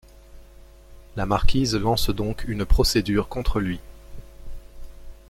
La marquise lance donc une procédure contre lui.